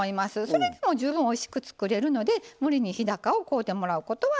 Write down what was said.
それでも十分おいしく作れるので無理に日高を買うてもらうことはありません。